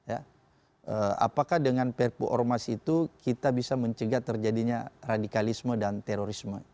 apakah dengan perpu ormas itu kita bisa mencegah terjadinya radikalisme dan terorisme